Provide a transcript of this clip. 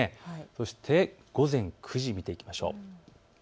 そして午前９時を見ていきましょう。